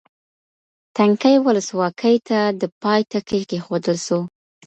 تنکۍ ولسواکۍ ته د پای ټکی کېښودل سو.